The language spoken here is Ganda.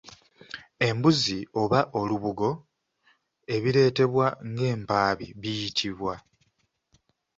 Embuzi oba olubugo ebireetebwa ng’empaabi biyitibwa?